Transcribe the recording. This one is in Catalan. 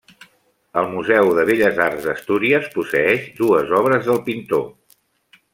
El Museu de Belles Arts d'Astúries posseeix dues obres del pintor.